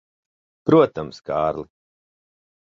Protams, Kārli.